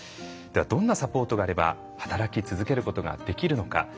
どんなサポートがあれば働き続けることができるのか。